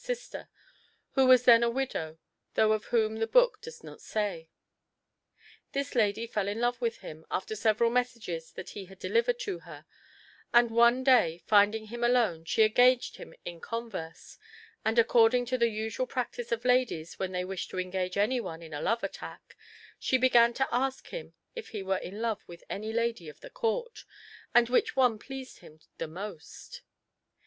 ] sister, who was then a widow, though of whom the book does not say. This lady fell in love with him after several messages that he had delivered to her, and one day finding him alone, she engaged him in converse, and, according to the usual practice of ladies when they wish to engage any one in a love attack, she began to ask him if he were in love with any lady of the Court, and which one pleased him the most.